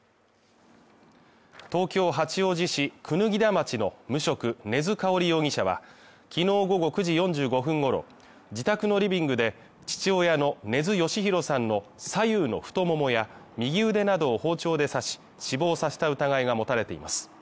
東京八王子市椚田町の無職根津かおり容疑者はきのう午後９時４５分ごろ、自宅のリビングで父親の根津嘉弘さんの左右の太ももや右腕などを包丁で刺し、死亡させた疑いが持たれています。